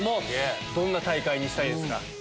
どんな大会にしたいですか？